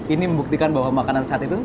ini membuktikan bahwa makanan saat itu